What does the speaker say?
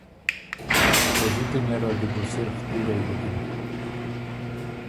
ته زُتی نېله دی بُو صِرف تُورئ بکِن،